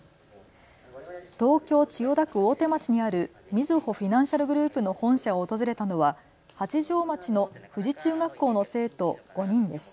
東京千代田区大手町にあるみずほフィナンシャルグループの本社を訪れたのは八丈町の富士中学校の生徒５人です。